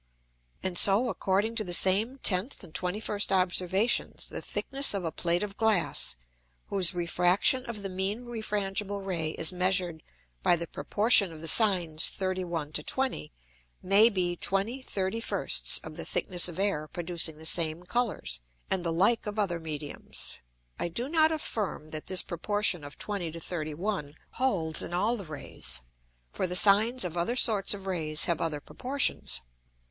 And so according to the same 10th and 21st Observations, the thickness of a Plate of Glass, whose Refraction of the mean refrangible Ray, is measured by the proportion of the Sines 31 to 20, may be 20/31 of the thickness of Air producing the same Colours; and the like of other Mediums. I do not affirm, that this proportion of 20 to 31, holds in all the Rays; for the Sines of other sorts of Rays have other Proportions.